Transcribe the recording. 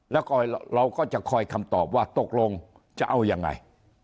แล้วเราก็จะคอยคำตอบว่าตกลงจะเอายังไง